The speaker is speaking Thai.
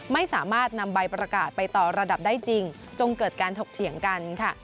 ไม่สามารถนำใบประกาศไปต่อระดับได้จริงจงเกิดการถกเถียงกันค่ะ